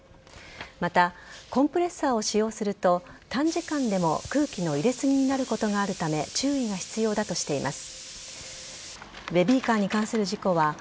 また、コンプレッサーを使用すると短時間でも空気の入れすぎになることがあるため注意が必要だとしています。